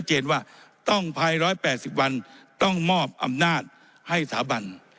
เจนว่าต้องภาย๑๘๐วันต้องมอบอำนาจให้สถาบัน